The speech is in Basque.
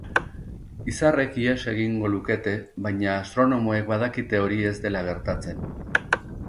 Izarrek ihes egingo lukete, baina astronomoek badakite hori ez dela gertatzen.